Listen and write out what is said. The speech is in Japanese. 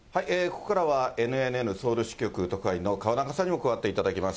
ここからはＮＮＮソウル支局特派員の河中さんにも加わっていただきます。